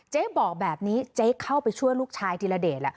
บอกแบบนี้เจ๊เข้าไปช่วยลูกชายธิระเดชแหละ